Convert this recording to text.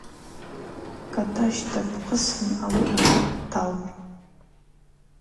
Кӏатӏащ дапхъысын ауи акыт дталтӏ.